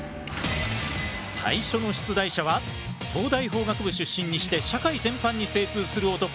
最初の出題者は東大法学部出身にして社会全般に精通する男